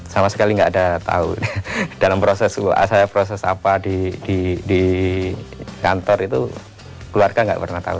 sama sekali nggak ada tahu dalam proses wa saya proses apa di kantor itu keluarga nggak pernah tahu